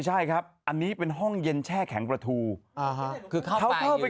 ใช่ครับอันนี้เป็นห้องเย็นแช่แข็งประทูคือเข้าไปอยู่